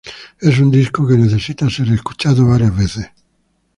Es un disco que necesita ser escuchado varias veces.